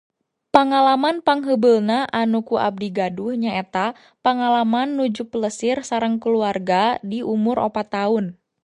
Pangalaman pangheubeulna anu ku abdi gaduh nyaeta pangalaman nuju plesir sareng kulawarga di umur opat taun.